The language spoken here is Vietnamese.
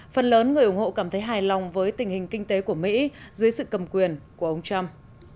với tình hình kinh tế của mỹ dưới sự cầm quyền của ông trump